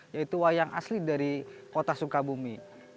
yaitu wayang asli dari kota sukabumi